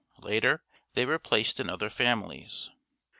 Later they were placed in other families.